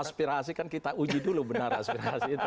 aspirasi kan kita uji dulu benar benar